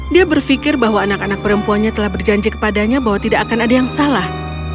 dia berpikir bahwa anak anak perempuannya telah berjanji kepadanya bahwa tidak akan ada yang salah